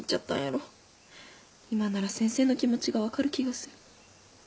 今なら先生の気持ちが分かる気がする。